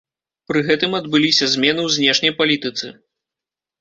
Пры гэтым адбыліся змены ў знешняй палітыцы.